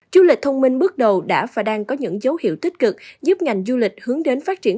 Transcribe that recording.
du lịch thông minh bước đầu đã và đang có những dấu hiệu tích cực giúp ngành du lịch hướng đến phát triển